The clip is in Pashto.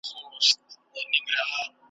بوډا سومه د ژوند له هر پیونده یمه ستړی ,